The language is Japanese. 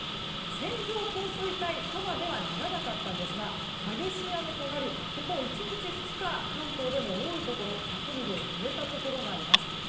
線状降水帯とまではならなかったんですが激しい雨となりここ１日、２日関東でも多いところ１００ミリを超えたところがあります。